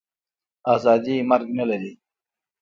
آزادي مرګ نه لري.